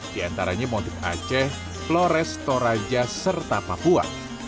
di antaranya motif aceh flores toraja serta papua